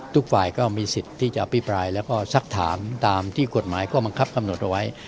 ทุกฝ่ายก็มีสิทธิ์ที่จะอภิปรายแล้วก็สักถามตามที่กฎหมายก็บังคับกำหนดเอาไว้